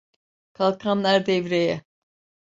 Kalkanlar devreye.